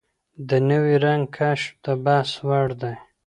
د نوي رنګ کشف د بحث وړ دی.